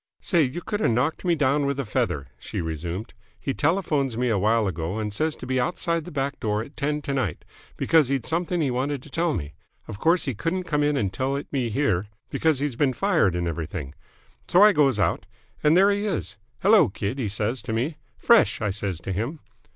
"Say, you could have knocked me down with a feather!" she resumed. "He telephones me awhile ago and says to be outside the back door at ten to night, because he'd something he wanted to tell me. Of course he couldn't come in and tell it me here, because he'd been fired and everything. So I goes out, and there he is. 'Hello, kid!' he says to me. 'Fresh!' I says to him.